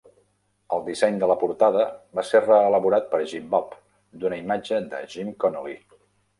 El disseny de la portada va ser reelaborat per Jim Bob d'una imatge de Jim Connolly.